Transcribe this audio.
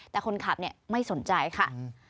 แต่คนขับไม่สนใจค่ะ